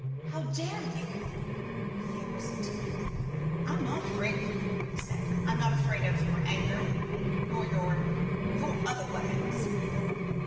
How dare you!" He had risen too. "I'm not afraid of you," he said. "I'm not afraid of your anger, nor of your your other weapons.